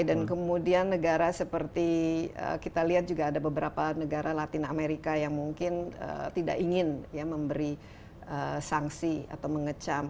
dan kemudian negara seperti kita lihat juga ada beberapa negara latin amerika yang mungkin tidak ingin memberi sanksi atau mengecam